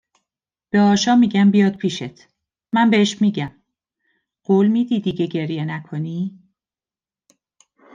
به آشا میگم بیاد پیشت، من بهش میگم، قول میدی دیگه گریه نکنی؟